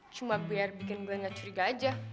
cuma biar bikin biar gak curiga aja